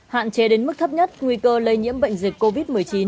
hạn chế đến mức thấp nhất nguy cơ lây nhiễm bệnh dịch covid một mươi chín